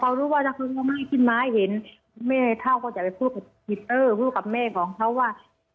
เขารู้ว่าถ้าเคยร้องไห้ขึ้นมาให้เห็นแม่เถ้าก็จะไปพูดกับแม่ของเขาว่า